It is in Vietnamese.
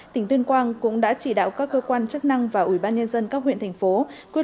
tỉnh tuyên quang cũng đã chỉ đạo các cơ quan chức năng và ủy ban nhân dân các huyện thành phố